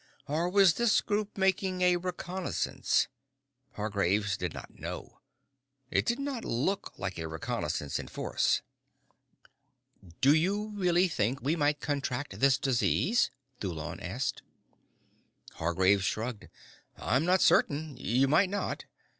Or was this group making a reconnaissance? Hargraves did not know. It did not look like a reconnaissance in force. "Do you really think we might contract this disease?" Thulon asked. Hargraves shrugged. "I'm not certain. You might not.